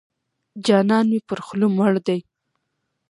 جانان مې پر خوله مړ دی.